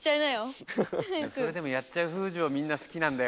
［それでもやっちゃう楓珠をみんな好きなんだよ。］